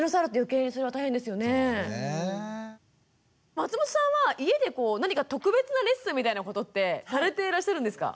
松本さんは家で何か特別なレッスンみたいなことってされていらっしゃるんですか？